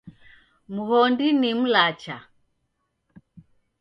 Mghondi ni mlacha.